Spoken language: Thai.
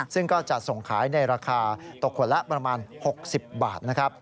ซึ่งก็จะส่งขายในราคาตกขวดละประมาณ๖๐บาทนะครับ